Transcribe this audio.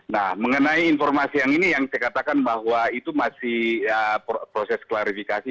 nah mengenai informasi yang ini yang saya katakan bahwa itu masih proses klarifikasi